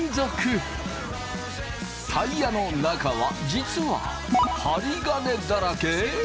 タイヤの中は実は針金だらけ！？